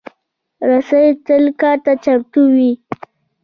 رسۍ تل کار ته چمتو وي.